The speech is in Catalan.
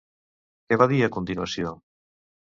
Què va dir a continuació?